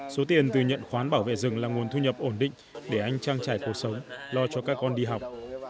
số tiền từ nhận khoán bảo vệ rừng là nguồn thu nhập ổn định để anh trang trải cuộc sống lo cho các con đi học